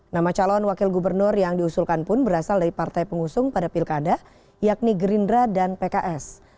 nama calon wakil gubernur yang diusulkan pun berasal dari partai pengusung pada pilkada yakni gerindra dan pks